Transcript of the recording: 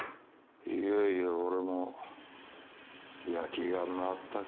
いよいよ俺も焼きが回ったか。